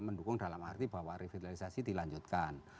mendukung dalam arti bahwa revitalisasi dilanjutkan